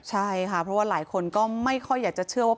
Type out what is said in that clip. ใช่ค่ะเพราะว่าหลายคนก็ไม่ค่อยอยากจะเชื่อว่า